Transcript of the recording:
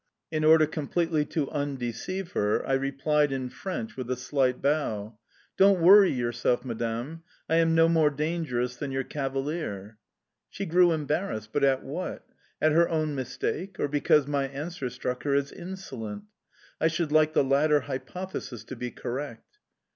In order completely to undeceive her, I replied in French, with a slight bow: "Ne craignez rien, madame, je ne suis pas plus dangereux que votre cavalier"... She grew embarrassed but at what? At her own mistake, or because my answer struck her as insolent? I should like the latter hypothesis to be correct.